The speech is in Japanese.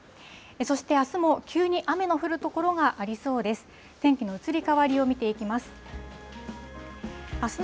そして、あすも急に雨の降る所がありそうです。